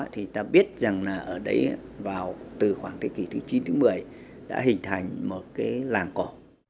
thì ta biết rằng là ở đấy vào từ khoảng thế kỷ thứ chín thứ một mươi đã hình thành một cái làng cổ